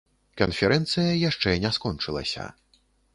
Канферэнцыя яшчэ не скончылася.